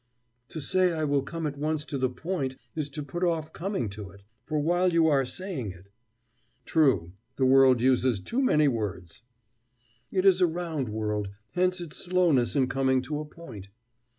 "To say 'I will come at once to the point' is to put off coming to it for while you are saying it " "True. The world uses too many words " "It is a round world hence its slowness in coming to a point."